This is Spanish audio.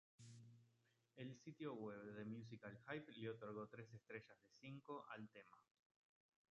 El sitio web The Musical Hype le otorgó tres estrellas de cinco al tema.